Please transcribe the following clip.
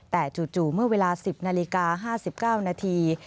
แต่จู่เมื่อเวลา๑๐นาฬิกา๕๙นาที